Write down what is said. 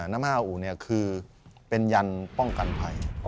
นะมะอะอุเนี่ยคือเป็นยันป้องกันภัย